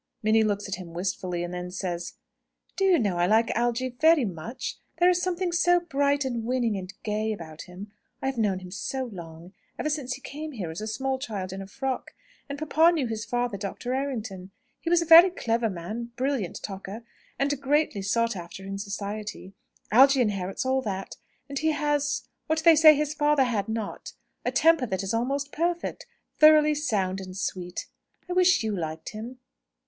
Minnie looks at him wistfully, and then says suddenly, "Do you know I like Algy very much! There is something so bright and winning and gay about him! I have known him so long ever since he came here as a small child in a frock. And papa knew his father, Dr. Errington. He was a very clever man, a brilliant talker, and greatly sought after in society. Algy inherits all that. And he has what they say his father had not a temper that is almost perfect, thoroughly sound and sweet. I wish you liked him."